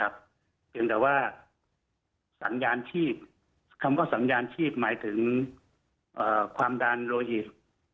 เพียงแต่ว่าสัญญาณชีพคำว่าสัญญาณชีพหมายถึงความดันโลหิต